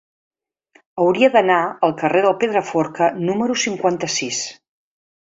Hauria d'anar al carrer del Pedraforca número cinquanta-sis.